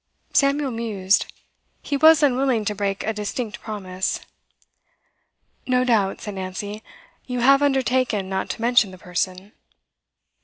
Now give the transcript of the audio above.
Samuel mused. He was unwilling to break a distinct promise. 'No doubt,' said Nancy, 'you have undertaken not to mention the person.